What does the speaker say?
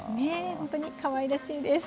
本当にかわいらしいです。